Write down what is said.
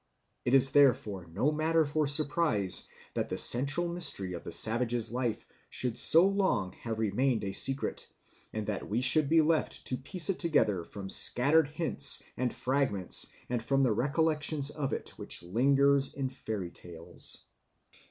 It is therefore no matter for surprise that the central mystery of the savage's life should so long have remained a secret, and that we should be left to piece it together from scattered hints and fragments and from the recollections of it which linger in fairy tales.